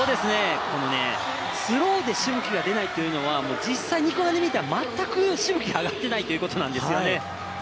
このスローでしぶきが出ないというのは実際肉眼で見たら、全くしぶきが上がっていないということなんですよね。